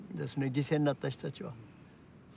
犠牲になった人たちは。